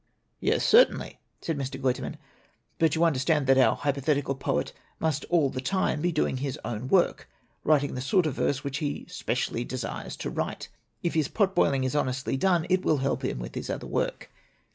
"Yes, certainly," said Mr. Guiterman. "But you understand that our hypothetical poet must all the time be doing his own work, writing the sort of verse which he specially desires to write. If his pot boiling is honestly done, it will help him with his other work.